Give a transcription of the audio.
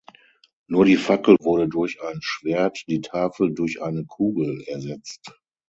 Nur die Fackel wurde durch ein Schwert, die Tafel durch eine Kugel ersetzt.